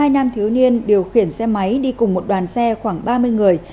hai nam thiếu niên điều khiển xe máy đi cùng một đoàn xe khoảng ba mươi người